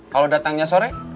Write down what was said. kalau datangnya sore